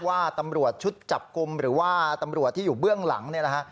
ว่าตำรวจชุดจับกลุ่มหรือว่าตำรวจที่อยู่เบื้องหลังเนี่ยนะฮะ